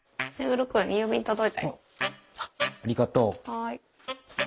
はい。